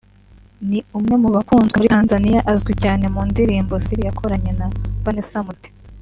ni umwe mu bakunzwe muri Tanzania azwi cyane mu ndirimbo “Siri” yakoranye na Vanessa Mdee